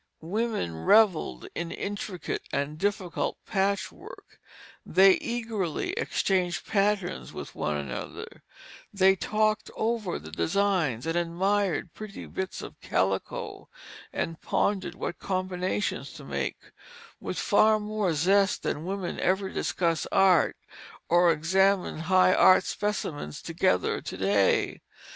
Women revelled in intricate and difficult patchwork; they eagerly exchanged patterns with one another; they talked over the designs, and admired pretty bits of calico, and pondered what combinations to make, with far more zest than women ever discuss art or examine high art specimens together to day.